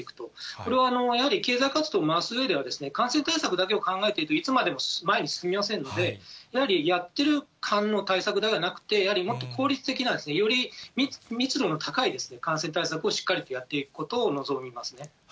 これはやはり経済活動を回すうえでは、感染対策だけを考えていくと、いつまでも前に進みませんので、やはりやってる間の対策ではなくて、やはりもっと効率的な、より密度の高い感染対策をしっかりとやっていくことを望みますね。